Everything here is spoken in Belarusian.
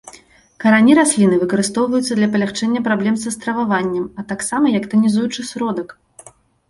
Карані расліны выкарыстоўваюцца для палягчэння праблем са страваваннем, а таксама як танізуючы сродак.